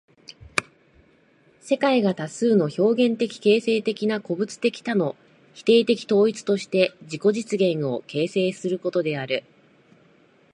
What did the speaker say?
世界が無数の表現的形成的な個物的多の否定的統一として自己自身を形成することである。